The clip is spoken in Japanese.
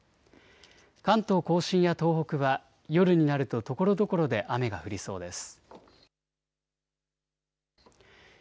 関東甲信や東北は夜になるとところどころで雨が降りそうです。